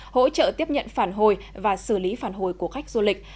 hỗ trợ tiếp nhận phản hồi và xử lý phản hồi của khách du lịch